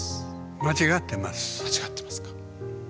間違ってますか。